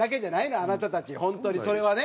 あなたたち本当にそれはね。